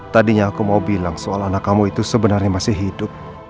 tadinya aku mau bilang soal anak kamu itu sebenarnya masih hidup